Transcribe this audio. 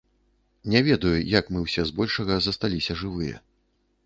Не ведаю, як мы ўсе збольшага засталіся жывыя.